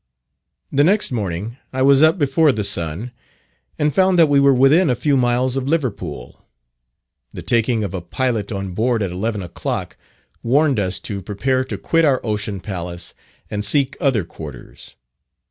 The next morning I was up before the sun, and found that we were within a few miles of Liverpool. The taking of a pilot on board at eleven o'clock, warned us to prepare to quit our ocean palace and seek other quarters.